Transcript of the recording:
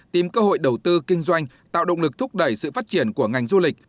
tìm cơ hội đầu tư kinh doanh tạo động lực thúc đẩy sự phát triển của ngành du lịch